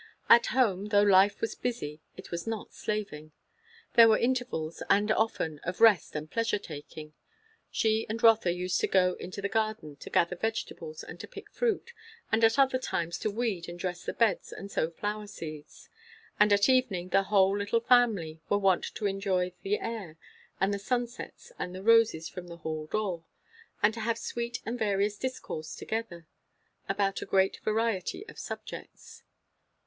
At home, though life was busy it was not slaving. There were intervals, and often, of rest and pleasure taking. She and Rotha used to go into the garden to gather vegetables and to pick fruit; and at other times to weed and dress the beds and sow flower seeds. And at evening the whole little family were wont to enjoy the air and the sunsets and the roses from the hall door; and to have sweet and various discourse together about a great variety of subjects.